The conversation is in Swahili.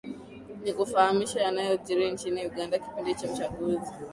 nikufahamishe yanayojiri nchini uganda kipindi cha uchaguzi